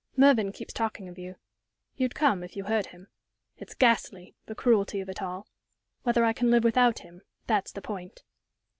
Mervyn keeps talking of you. You'd come, if you heard him. It's ghastly the cruelty of it all. Whether I can live without him, that's the point."